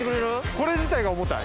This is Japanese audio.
これ自体が重たい。